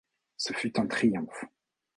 Ce fut un triomphe.